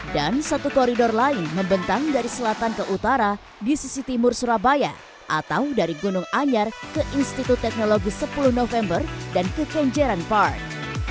dan satu koridor lain membentang dari selatan ke utara di sisi timur surabaya atau dari gunung anyar ke institut teknologi sepuluh november dan ke kenjeran park